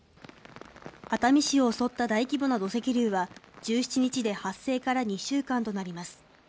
熱海市を襲った大規模な土石流は、１７日で発生から２週間となります。